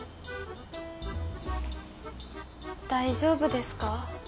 大丈夫ですか？